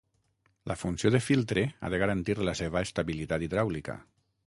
La funció de filtre ha de garantir la seva estabilitat hidràulica.